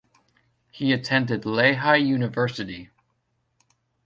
He attended Lehigh University.